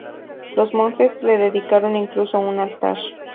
Los monjes le dedicaron incluso un altar.